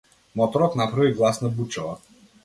Моторот направи гласна бучава.